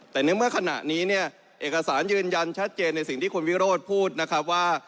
แต่ในเมื่อขณะนี้เนี่ยเอกสารยืนยันชัดเจนในสิ่งที่คุณวิโรธพูดนะครับว่า